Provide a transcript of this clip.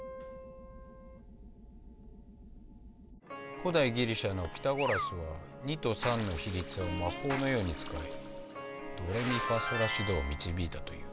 古代ギリシャのピタゴラスは２と３の比率を魔法のように使いドレミファソラシドを導いたという。